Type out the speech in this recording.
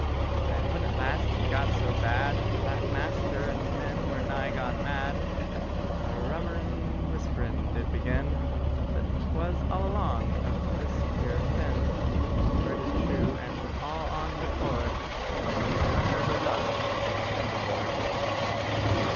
And when at last it got so bad, That master and men were nigh gone mad, A rummerin' whisper did begin That 'twas all along of this here Finn: For it is true, and on re córd There's no good luck with a Finn on board.